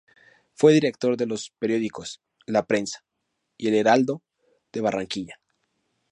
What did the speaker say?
Fue director de los periódicos "La Prensa" y "El Heraldo" de Barranquilla.